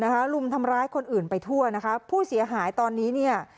ลุมทำร้ายคนอื่นไปทั่วนะคะผู้เสียหายตอนนี้เนี่ย